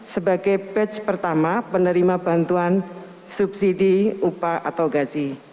sebagai batch pertama penerima bantuan subsidi upah atau gaji